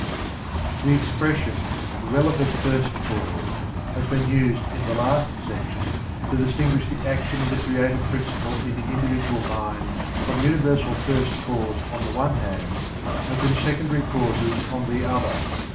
The expression "relative first cause" has been used in the last section to distinguish the action of the creative principle in the individual mind from Universal First Cause on the one hand and from secondary causes on the other.